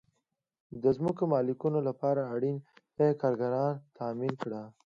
د ځمکو مالکینو لپاره اړین کارګران تامین کړئ.